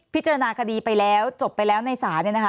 พิจารณาคดีไปแล้วจบไปแล้วในศาล